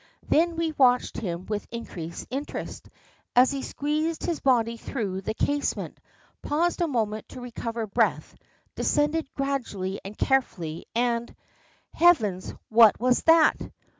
Then we watched him with increased interest, as he squeezed his body through the casement, paused a moment to recover breath, descended gradually and carefully, and Heavens, what was that?